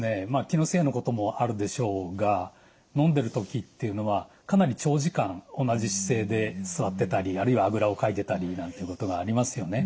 気のせいのこともあるでしょうが飲んでる時っていうのはかなり長時間同じ姿勢で座ってたりあるいはあぐらをかいてたりなんていうことがありますよね。